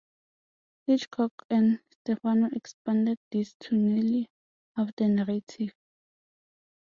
Hitchcock and Stefano expanded this to nearly half the narrative.